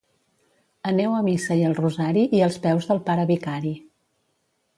Aneu a missa i al rosari i als peus del pare vicari.